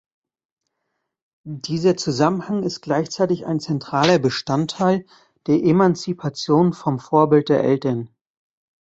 Dieser Zusammenhang ist gleichzeitig ein zentraler Bestandteil der Emanzipation vom Vorbild der Eltern.